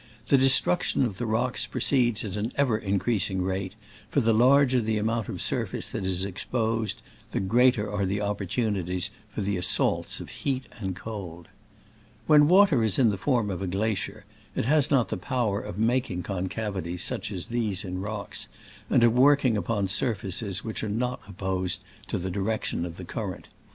The destruction of the rocks proceeds at an ever in creasing rate, for the larger the amount of sur face that is exposed, the greater are the opportunities for the as saults of heat and cold. When water is in the form of glacier it has not the power of making concav ities such as these in rocks, and of work ing upon surfaces which are not opposed to the direction of the current.